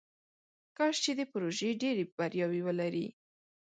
کاش چې دې پروژې ډیرې بریاوې ولري.